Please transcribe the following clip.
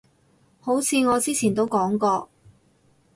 好似我之前都講過